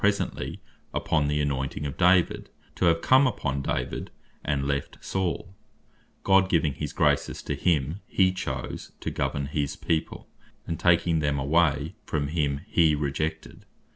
presently upon the anointing of David, to have come upon David, and left Saul; God giving his graces to him he chose to govern his people, and taking them away from him, he rejected.